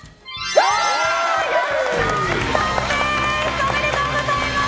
おめでとうございます！